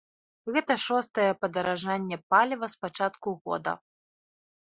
Гэта шостае падаражанне паліва з пачатку года.